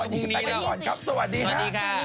แน่นอนสิสวัสดีค่ะ